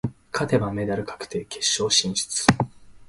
勝てばメダル確定、決勝進出。